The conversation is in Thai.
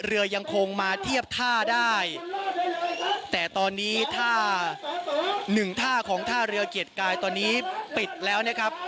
เรือยังคงมาเทียบท่าได้แต่ตอนนี้ถ้าหนึ่งท่าของท่าเรือเกียรติกายตอนนี้ปิดแล้วนะครับ